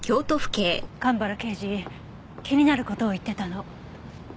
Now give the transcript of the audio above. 蒲原刑事気になる事を言ってたの。